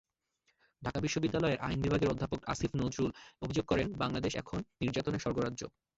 ঢাকা বিশ্ববিদ্যালয়ের আইন বিভাগের অধ্যাপক আসিফ নজরুল অভিযোগ করেন, বাংলাদেশ এখন নির্যাতনের স্বর্গরাজ্য।